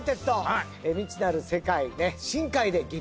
未知なる世界で深海で激